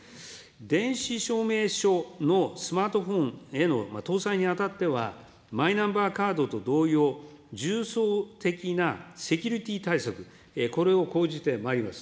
電子証明書のスマートフォンへの搭載にあたっては、マイナンバーカードと同様、重層的なセキュリティー対策、これを講じてまいります。